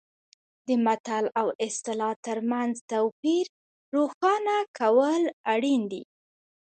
د متل او اصطلاح ترمنځ توپیر روښانه کول اړین دي